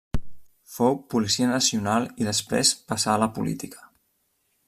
Fou policia nacional i després passà a la política.